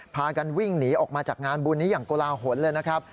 พากันวิ่งหนีออกมาจากงานบุญนี้อย่างโกลาหลเลยนะครับ